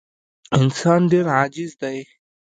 انسان ډېر عاجز دی.